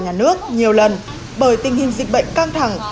nhà nước nhiều lần bởi tình hình dịch bệnh căng thẳng